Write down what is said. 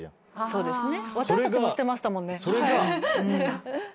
そうですね。